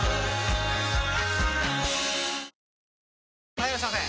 ・はいいらっしゃいませ！